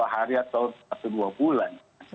dua hari atau satu dua bulan